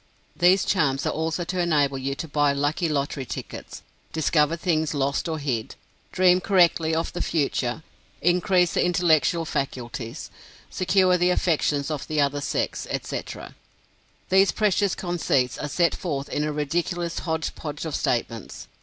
These charms are also to enable you to buy lucky lottery tickets, discover things lost or hid, dream correctly of the future, increase the intellectual faculties, secure the affections of the other sex, etc. These precious conceits are set forth in a ridiculous hodge podge of statements.